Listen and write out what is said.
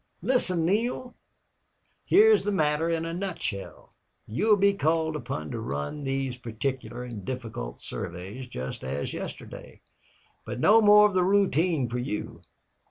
"Listen, Neale. Here's the matter in a nutshell. You will be called upon to run these particular and difficult surveys, just as yesterday. But no more of the routine for you.